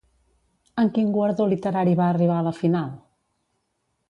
En quin guardó literari va arribar a la final?